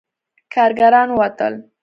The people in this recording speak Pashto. کارګران ووتل.